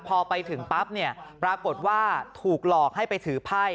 พอไปถึงปั๊บเนี่ยปรากฏว่าถูกหลอกให้ไปถือไพ่